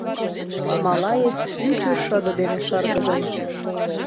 Малаец ӱчӧ шыде дене шыргыжын.